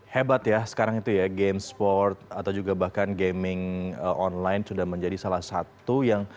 hebat ya sekarang itu ya game sport atau juga bahkan gaming online sudah menjadi salah satu yang